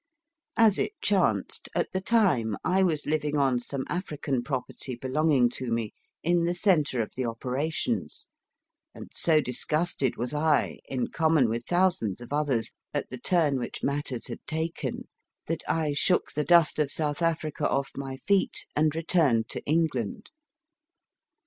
As it chanced, at the time I was living on some African property belonging to me in the centre of the opera tions, and so disgusted was I, in common with thousands of others, at the turn which matters had taken, that I shook the dust of South Africa off my feet and returned to England.